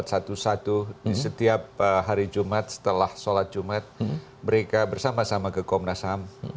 setiap hari jumat setelah sholat jumat mereka bersama sama ke komnas ham